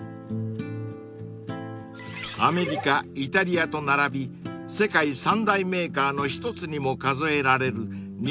［アメリカイタリアと並び世界三大メーカーの一つにも数えられる］